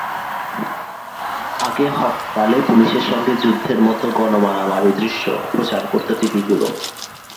আগে হরতালে পুলিশের সঙ্গে যুদ্ধের মতো গণমারামারির দৃশ্য প্রচার করত টিভিগুলো।